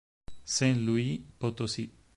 San Luis Potosí